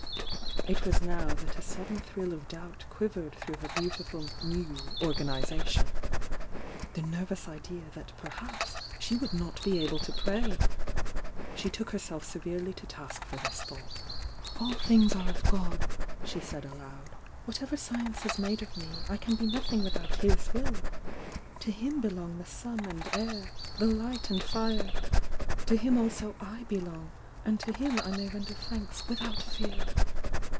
It was now that a sudden thrill of doubt quivered through her beau tiful "new" organisation, — the nervous idea that per haps she would not be able to pray! She took her self severely to task for this thought. "All things are of God!" she said, aloud— "What ever science has made of me I can be nothing with out His will. To Him belong the sun and air, ^e light and fire! — to Him also / belong, and to Him I may render thanks without fear."